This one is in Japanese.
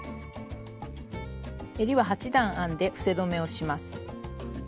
えりは８段編んで伏せ止めをします。